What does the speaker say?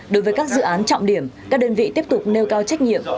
đối với các dự án trọng điểm các đơn vị tiếp tục nêu cao trách nhiệm